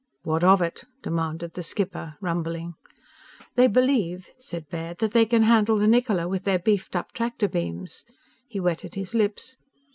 "What of it?" demanded the skipper, rumbling. "They believe," said Baird, "that they can handle the Niccola with their beefed up tractor beams." He wetted his lips.